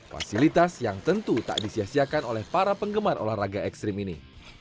fasilitas yang tentu tak disiasiakan oleh para penggemar olahraga ekstrim ini